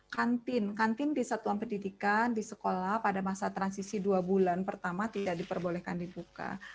kantin kantin di satuan pendidikan di sekolah pada masa transisi dua bulan pertama tidak diperbolehkan dibuka